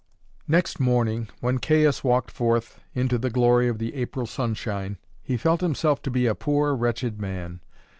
Next morning, when Caius walked forth into the glory of the April sunshine, he felt himself to be a poor, wretched man.